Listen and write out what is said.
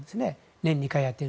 年２回やっている。